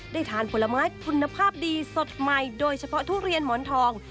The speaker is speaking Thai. ทานผลไม้คุณภาพดีสดใหม่โดยเฉพาะทุเรียนหมอนทอง